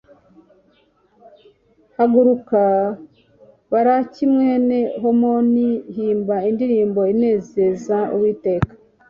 Haguruka Baraki mwene Hamoni himba indirimbo inezereza Uwiteka